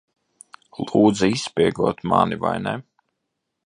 Lūdza izspiegot mani, vai ne?